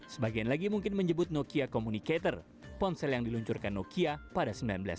sebagian lagi mungkin menyebut nokia communicator ponsel yang diluncurkan nokia pada seribu sembilan ratus sembilan puluh